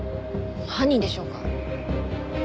犯人でしょうか？